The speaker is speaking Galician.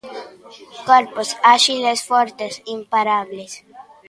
Corpos áxiles, fortes, imparables.